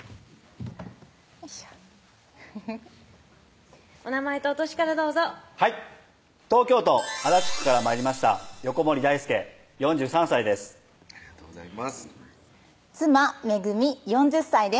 よいしょお名前とお歳からどうぞはい東京都足立区から参りました横森大輔４３歳ですありがとうございます妻・恵４０歳です